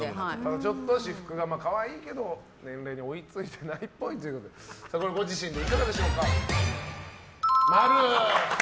ちょっと私服が可愛いけど年齢に追いついていないっぽいということで、ご自身でも○！